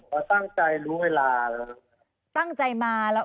ก็ตั้งใจรู้เวลา